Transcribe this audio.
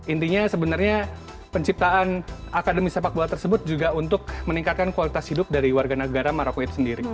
intinya sebenarnya penciptaan akademi sepak bola tersebut juga untuk meningkatkan kualitas hidup dari warga negara maroko itu sendiri